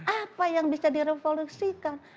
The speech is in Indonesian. apa yang bisa direvolusikan